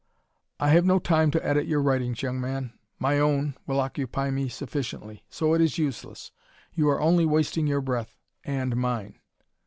"I have no time to edit your writings, young man. My own, will occupy me sufficiently. So it is useless. You are only wasting your breath and mine."